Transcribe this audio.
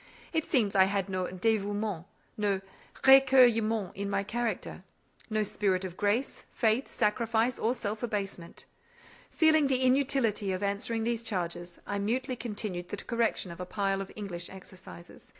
It seems I had no "dévouement," no "récueillement" in my character; no spirit of grace, faith, sacrifice, or self abasement. Feeling the inutility of answering these charges, I mutely continued the correction of a pile of English exercises.